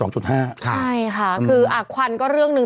ใช่ค่ะคือควันก็เรื่องหนึ่ง